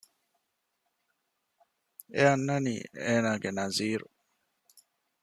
އެ އަންނަނީ އޭނާގެ ނަޒީރު